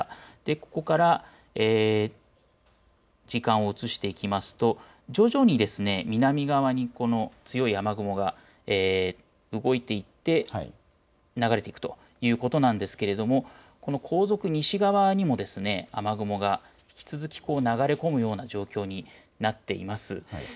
ここから時間を移していきますと徐々に南側に強い雨雲が動いていって流れていくということなんですけれどもこの後続、西側にも雨雲が引き続き流れ込むような状況になっています。